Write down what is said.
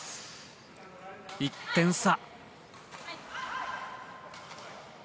１点差。